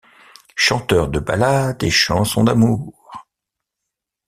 Chanteur de ballades et chansons d'amour.